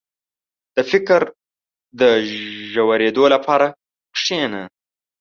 • د فکر د ژورېدو لپاره کښېنه.